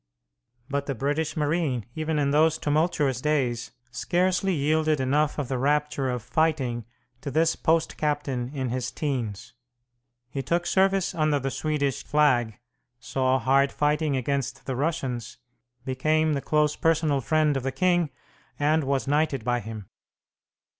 But the British marine, even in those tumultuous days, scarcely yielded enough of the rapture of fighting to this post captain in his teens. He took service under the Swedish flag, saw hard fighting against the Russians, became the close personal friend of the king, and was knighted by him.